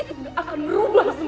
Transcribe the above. itu gak akan merubah semuanya